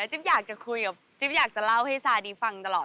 จิ๊บอยากจะคุยกับจิ๊บอยากจะเล่าให้ซาดีฟังตลอด